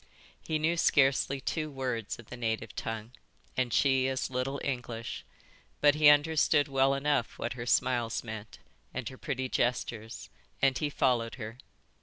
He knew scarcely two words of the native tongue and she as little English. But he understood well enough what her smiles meant, and her pretty gestures, and he followed her.